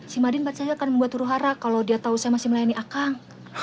si madin percaya akan membuat turuh hara kalau dia tahu saya masih melayani akang